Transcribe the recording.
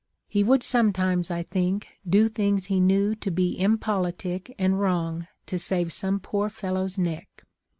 He would sometimes, I think, do things he knew to be impolitic and wrong to save some poor fellow's neck.